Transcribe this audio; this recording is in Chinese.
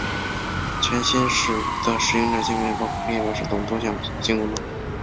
全新的使用者界面包括黑夜模式等多项新功能。